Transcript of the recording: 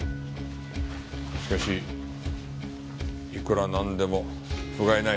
しかしいくらなんでも不甲斐ない。